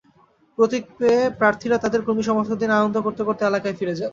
প্রতীক পেয়ে প্রার্থীরা তাঁদের কর্মী-সমর্থকদের নিয়ে আনন্দ করতে করতে এলাকায় ফিরে যান।